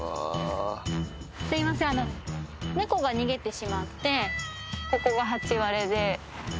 すみません、猫が逃げてしまって、ここがハチワレで。